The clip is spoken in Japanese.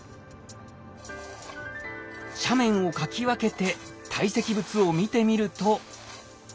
斜面をかき分けて堆積物を見てみると。